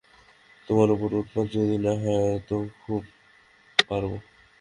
তোমার উপর উৎপাত যদি না হয় তো খুব পারব।